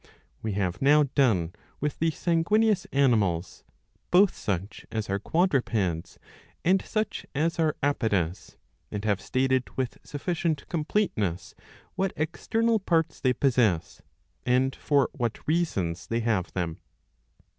^^ We have now done with the sanguineous animals, both such as are quadrupedous and such as are apodous, and have stated with sufficient completeness what external parts they possess, and for what reasons they have them.